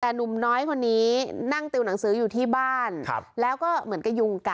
แต่หนุ่มน้อยคนนี้นั่งติวหนังสืออยู่ที่บ้านแล้วก็เหมือนกระยุงกัน